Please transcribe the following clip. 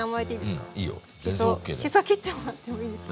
しそ切ってもらってもいいですか？